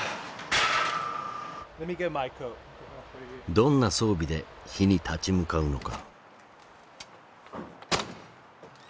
どんな装備で火に立ち向かうのか。